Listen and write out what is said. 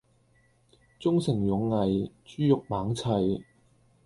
忠誠勇毅豬肉猛砌